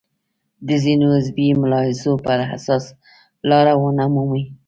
د ځینو حزبي ملاحظو پر اساس لاره ونه مومي.